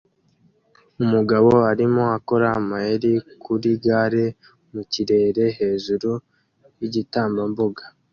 Umugabo arimo akora amayeri kuri gare mu kirere hejuru yigitambambuga